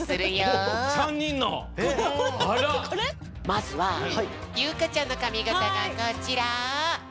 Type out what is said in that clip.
まずは優香ちゃんのかみがたがこちら。